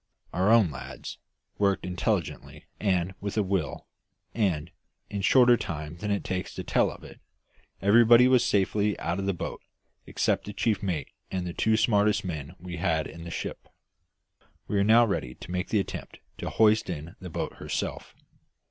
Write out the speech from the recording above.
Our own lads worked intelligently and with a will, and, in a shorter time than it takes to tell of it, everybody was safely out of the boat except the chief mate and the two smartest men we had in the ship. We were now ready to make the attempt to hoist in the boat herself.